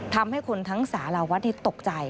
ทำให้คนทั้งสารวัฒน์ตกใจ